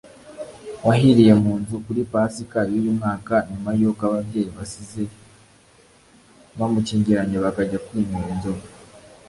wahiriye mu nzu kuri Pasika y’uyu mwaka nyuma y’uko ababyeyi basize bamukingiranye bakajya kwinywera inzoga